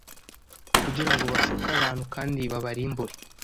kugira ngo bashuke abantu kandi babarimbure.